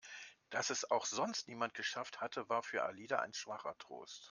Dass es auch sonst niemand geschafft hatte, war für Alida ein schwacher Trost.